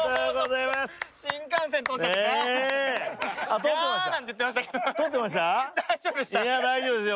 いや大丈夫ですよ